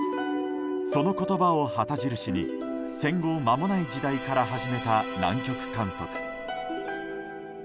その言葉を旗印に戦後まもない時代から始めた南極観測。